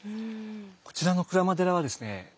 こちらの鞍馬寺はですね